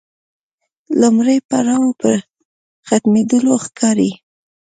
لومړی پړاو پر ختمېدلو ښکاري.